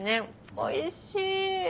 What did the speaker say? おいしい。